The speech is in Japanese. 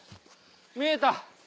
見えた！